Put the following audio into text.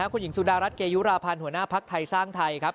คุณหญิงสุดารัฐเกยุราพันธ์หัวหน้าภักดิ์ไทยสร้างไทยครับ